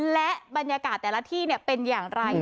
และบรรยากาศแต่ละที่เป็นอย่างไร